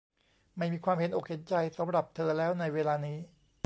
ไม่มีความเห็นอกเห็นใจสำหรับเธอแล้วในเวลานี้